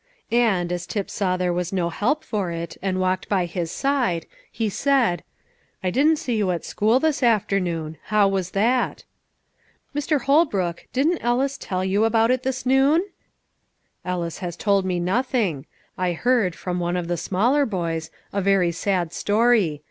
And, as Tip saw there was no help for it, and walked by his side, he said, "I didn't see you at school this afternoon: how was that?" "Mr. Holbrook, didn't Ellis tell you about it this noon?" "Ellis has told me nothing. I heard, from one of the smaller boys, a very sad story.